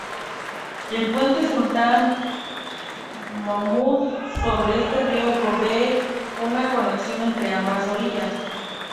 El Puente Sultán Mahmud, sobre este río, provee una conexión entre ambas orillas.